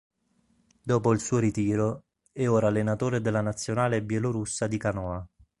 Dopo il suo ritiro, è ora allenatore della nazionale bielorussa di canoa.